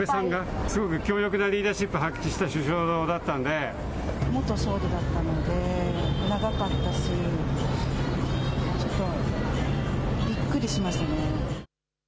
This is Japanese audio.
安倍さんがすごく強力なリーダーシップを発揮した元総理だったので長かったしちょっとびっくりしましたね。